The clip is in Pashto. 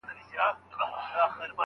او لا یې هم، په رسنیو کي